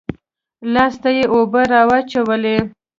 لاس ته يې اوبه رااچولې.